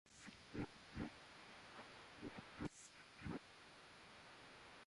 ان کے علاوہ بھی ہر محلے میں سینٹ کا بت نصب ہے